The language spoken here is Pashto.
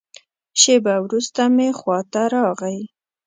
شېبه وروسته مې خوا ته راغی.